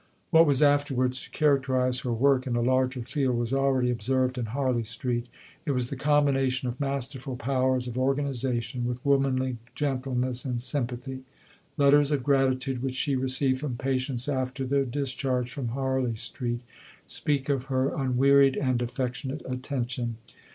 What was afterwards to characterize her work in a larger field was already observed in Harley Street. It was the combination of masterful powers of organization with womanly gentleness and sympathy. Letters of gratitude, which she received from patients after their discharge from Harley Street, speak of her "unwearied and affectionate attention."